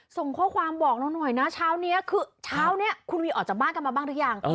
ส่งข้อความบอกเราหน่อยนะเช้านี้คือเช้านี้คุณวีออกจากบ้านกันมาบ้างหรือยัง